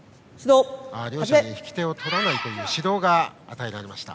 両者に引き手を取らないという指導が与えられました。